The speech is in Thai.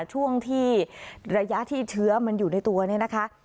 ช่วงที่ระยะที่เชื้อมันอยู่ในตัวเนี่ยนะคะ